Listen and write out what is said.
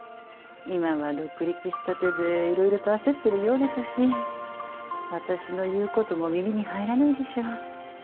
今は独立したてで色々と焦ってるようですし私の言うことも耳に入らないでしょう